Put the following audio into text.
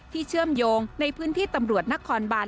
ที่เชื่อมโยงในพื้นที่ตำรวจนักคอนบาล